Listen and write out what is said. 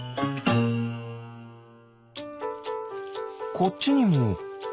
こっちにもハチ？